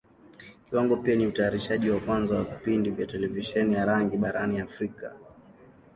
Kiwango pia ni Mtayarishaji wa kwanza wa vipindi vya Televisheni ya rangi barani Africa.